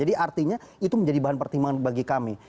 jadi artinya itu menjadi bahan pertimbangan bagi kami